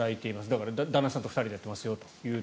だから、旦那さんと２人でやっていますよと。